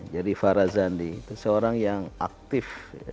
jadi farazandi itu seorang yang aktif